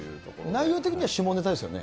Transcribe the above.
内容的には下ネタですよね。